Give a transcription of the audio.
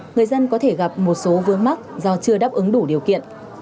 người dân có thể gặp một số vướng mắc do chưa đáp ứng đủ điều kiện